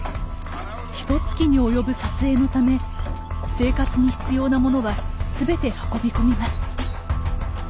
ひとつきに及ぶ撮影のため生活に必要なものは全て運び込みます。